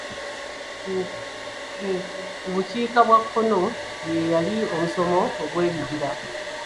Ku bukiika obwa kkono ye yali omusoma gw'ebibira.